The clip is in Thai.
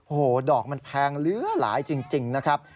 โอ้โหดอกมันแพงเหลือหลายจริงนะครับ